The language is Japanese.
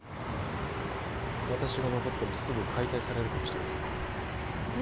私が残ってもすぐ解体されるかもしれませんよえっ？